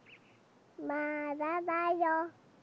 まだだよ。